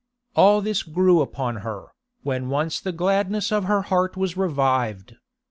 All this grew upon her, when once the gladness of her heart was revived.